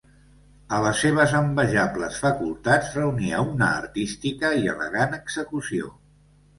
A les seves envejables facultats reunia una artística i elegant execució.